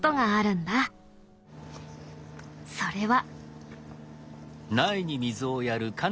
それは。